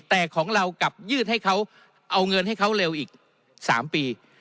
แต่ของเรากลับยืดให้เขาเอาเงินให้เขาเร็วอีก๓ปี